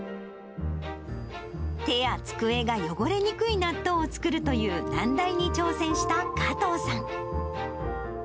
手や机が汚れにくい納豆を作るという難題に挑戦した加藤さん。